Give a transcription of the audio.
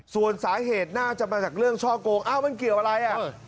ส่วนสาเหตุน่าจะมาจากเรื่องช่อโกงอ้าวมันเกี่ยวอะไรอ่ะ